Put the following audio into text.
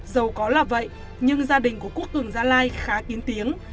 dầu có là vậy nhưng gia đình của quốc cường gia lai khá kiến tiếng